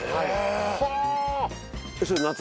はあ。